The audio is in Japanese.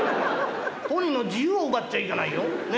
本人の自由を奪っちゃいけないよ。ね。